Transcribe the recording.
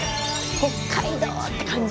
北海道！って感じ。